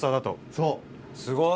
そう！